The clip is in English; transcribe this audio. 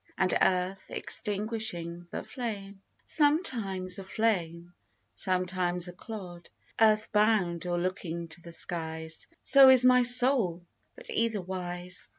And earth, extinguishing the flame. Sometimes a flame, sometimes a clod, Earth bound, or looking to the skies, So is my soul, but either wise.